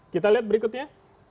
kita lihat berikutnya